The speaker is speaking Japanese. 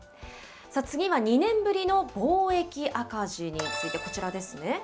次は２年ぶりの貿易赤字について、こちらですね。